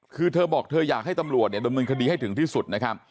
คือเธอบอกเธออยากให้ตำรวจเนี่ยดำเนินคดีให้ถึงที่สุดนะครับ